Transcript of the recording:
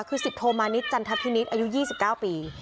คือสิบโทมานิสจันทพินิสอายุยี่สิบเก้าปี